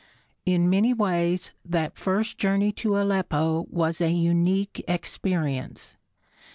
In many ways that first journey to Aleppo was a unique experience.